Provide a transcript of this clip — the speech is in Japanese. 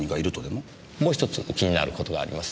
もう一つ気になることがあります。